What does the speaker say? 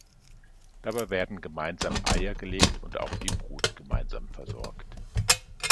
Dabei werden gemeinsam Eier gelegt und auch die Brut gemeinsam versorgt.